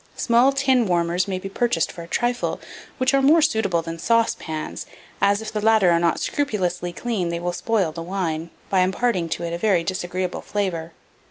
Small tin warmers may be purchased for a trifle, which are more suitable than saucepans, as, if the latter are not scrupulously clean, they will spoil the wine, by imparting to it a very disagreeable flavour.